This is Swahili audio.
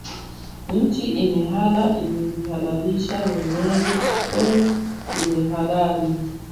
nchi imehala imejihalalisha yenyewe so imehalali